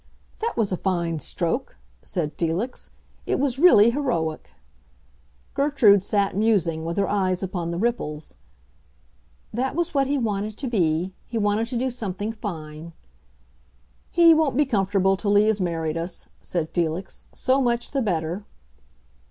"That was a fine stroke," said Felix. "It was really heroic." Gertrude sat musing, with her eyes upon the ripples. "That was what he wanted to be; he wanted to do something fine." "He won't be comfortable till he has married us," said Felix. "So much the better."